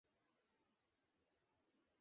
বাসে চড়তে দেওয়ার জন্য ধন্যবাদ।